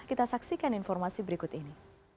kita saksikan informasi berikut ini